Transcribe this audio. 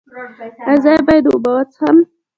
ایا زه باید اوبه وڅښم؟